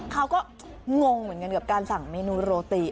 งงเหมือนกันกับการสั่งเมนูโรตี